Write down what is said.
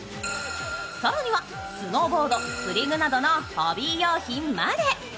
更にはスノーボード、釣り具などのホビー用品まで。